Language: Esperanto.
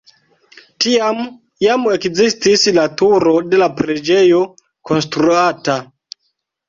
Tiam jam ekzistis la turo de la preĝejo konstruata.